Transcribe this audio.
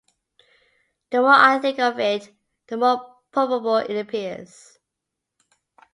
The more I think of it, the more probable it appears.